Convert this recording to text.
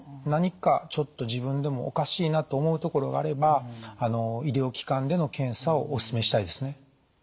何かちょっと自分でもおかしいなと思うところがあれば医療機関での検査をお勧めしたいですね。